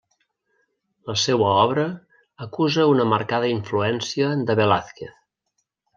La seua obra acusa una marcada influència de Velázquez.